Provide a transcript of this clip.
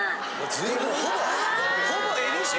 ほぼ。